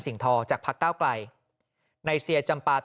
กรุงเทพฯมหานครทำไปแล้วนะครับ